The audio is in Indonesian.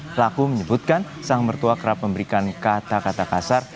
pelaku menyebutkan sang mertua kerap memberikan kata kata kasar